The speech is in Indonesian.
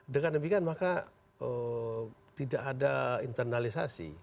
dengan demikian maka tidak ada internalisasi